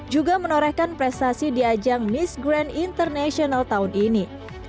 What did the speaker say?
juga menorehkan prestasi di ajang miss grand international tahun ini